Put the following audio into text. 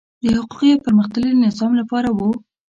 د حقوقي او پرمختللي نظام لپاره وو.